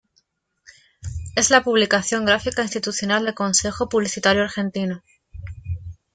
Es la publicación gráfica institucional del Consejo Publicitario Argentino.